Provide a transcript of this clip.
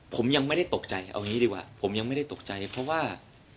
ผมยังไม่ได้ตกใจเอางี้ดีกว่าผมยังไม่ได้ตกใจเพราะว่า